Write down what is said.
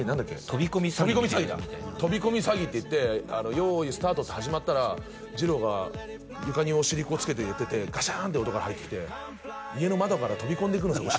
飛び込み詐欺みたいな飛び込み詐欺っていって「よーいスタート」って始まったらじろうが床にお尻つけてやっててガシャンって音が入ってきて家の窓から飛び込んでくるんですよ